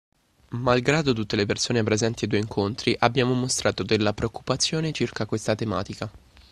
Mal grado tutte le persone presenti ai due incontri abbiano mostrato della preoccupazione circa questa tematica